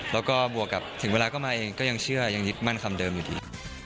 แล้วก็บวกกับถึงเวลาก็มาเองก็ยังเชื่อยังยึดมั่นคำเดิมอยู่ดี